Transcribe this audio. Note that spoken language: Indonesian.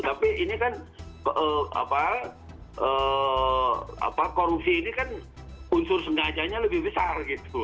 tapi ini kan korupsi ini kan unsur sengajanya lebih besar gitu